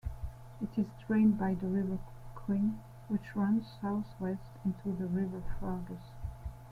It is drained by the River Quin, which runs southwest into the River Fergus.